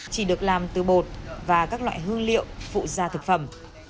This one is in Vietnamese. chỉ được làm từ bột và các loại hương liệu phụ gia thực phẩm